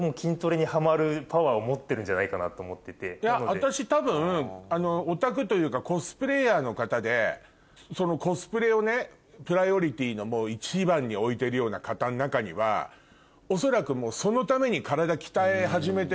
私多分オタクというかコスプレイヤーの方でコスプレをプライオリティーの一番に置いてるような方の中には恐らくそのために。